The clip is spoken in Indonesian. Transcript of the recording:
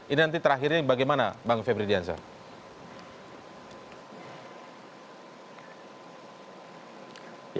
ini nanti terakhirnya bagaimana bang febri dan saya